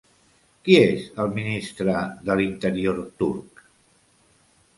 Qui és el ministre de l'Interior turc?